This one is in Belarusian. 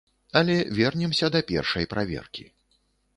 Але вернемся да першай праверкі.